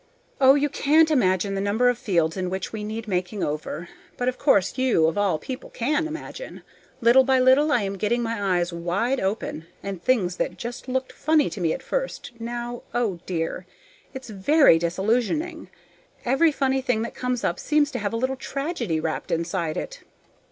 Oh, you can't imagine the number of fields in which we need making over; but of course you, of all people, can imagine. Little by little I am getting my eyes wide open, and things that just looked funny to me at first, now oh dear! It's very disillusionizing. Every funny thing that comes up seems to have a little tragedy wrapped inside it.